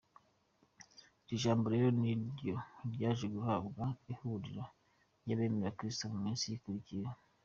Iri jambo rero ni naryo ryaje guhabwa ihuriro ry’abemera Kristo mu minsi yakurikiyeho.